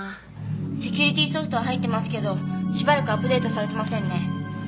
セキュリティーソフトは入ってますけどしばらくアップデートされてませんね。